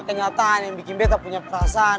kenyataan yang bikin beta punya perasaan